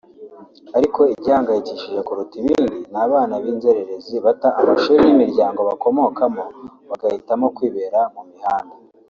ariko igihangayikishije kurusha ibindi ni abana b’inzererezi bata amashuri n’imiryango bakomokamo bagahitamo kwibera mu mihanda